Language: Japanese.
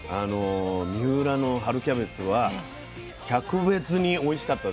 三浦の春キャベツは「格別」においしかったですね。